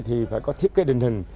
thì phải có thiết kế định hình